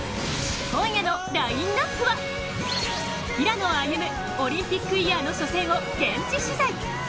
今夜のラインナップは、平野歩夢オリンピックイヤーの初戦を現地取材。